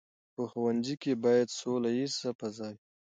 په ښوونځي کې باید سوله ییزه فضا وي.